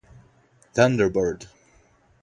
thunderbird